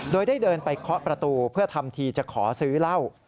โดยได้เดินไปเคาะประตูเพื่อทำทีจะขอซื้อเหล้า